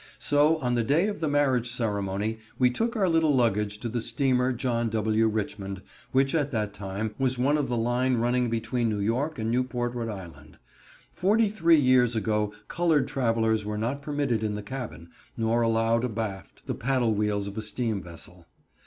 So, on the day of the marriage ceremony, we took our little luggage to the steamer John W. Richmond, which, at that time, was one of the line running between New York and Newport, R. I. Forty three years ago colored travelers were not permitted in the cabin, nor allowed abaft the paddle wheels of a steam vessel.